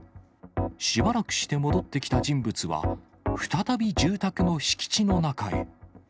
しばらくして戻ってきた人物は、再び住宅の敷地の中へ。